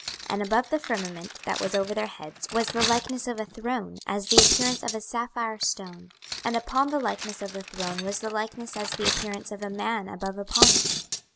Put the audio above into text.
26:001:026 And above the firmament that was over their heads was the likeness of a throne, as the appearance of a sapphire stone: and upon the likeness of the throne was the likeness as the appearance of a man above upon it.